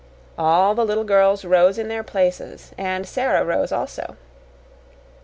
All the little girls rose in their places, and Sara rose also.